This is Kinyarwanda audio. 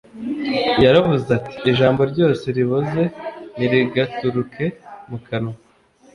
Yaravuze ati Ijambo ryose riboze ntirigaturuke mu kanwa